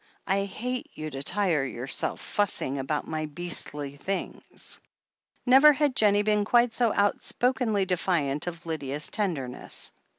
I hate you to tire yourself fussing about my beastly things." Never had Jennie been quite so outspokenly defiant of Lydia's tenderness.